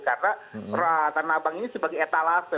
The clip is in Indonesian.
karena tanah bank ini sebagai etalase